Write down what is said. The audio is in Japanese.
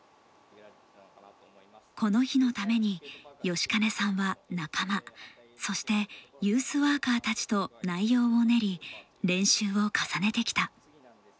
この日のために吉金さんは仲間そしてユースワーカーたちと内容を練り、練習を重ねてきた。